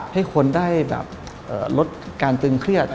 ให้คนได้แบบลดการตึงเครียด